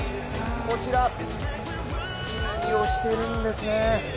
こちら、突き指をしているんですね